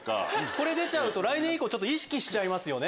これ出ちゃうと来年以降意識しちゃいますよね